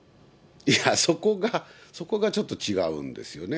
いやぁ、そこがちょっと違うんですよね。